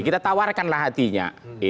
kita tawarkanlah hatinya